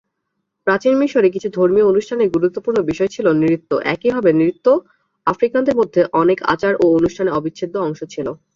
প্রাচীন মিশরে কিছু ধর্মীয় অনুষ্ঠানের গুরুত্বপূর্ণ বিষয় ছিল নৃত্য, একইভাবে নৃত্য আফ্রিকানদের মধ্যে অনেক আচার এবং অনুষ্ঠানে অবিচ্ছেদ্য অংশ ছিল।